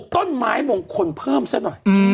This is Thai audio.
ต้นไม้มงคลเพิ่มซะหน่อย